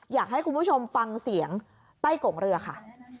อยากให้คุณผู้ชมฟังเสียงใต้โกงเรือค่ะ